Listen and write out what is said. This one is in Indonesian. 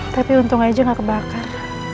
tapi untung aja gak kebakar